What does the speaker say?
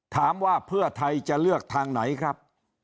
ถามว่าเพื่อไทยจะเลือกทางไหนครับ